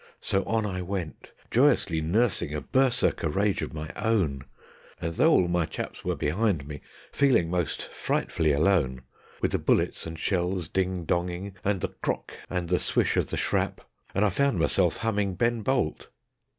So on I went joyously nursing a Berserker rage of my own, And though all my chaps were behind me, feeling most frightf'ly alone; With the bullets and shells ding donging, and the "krock" and the swish of the shrap; And I found myself humming "Ben Bolt"